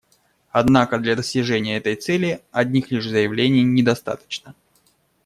Однако для достижения этой цели одних лишь заявлений недостаточно.